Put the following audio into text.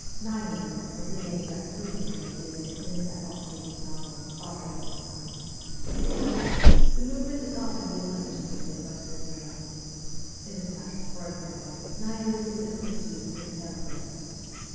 ' Nihilism ' was the name that Turgueneff gave it in his epoch making novel, ' Fathers and Sons.' The movement is often misunderstood in western Europe. In the press, for example, Nihilism is con fused with terrorism.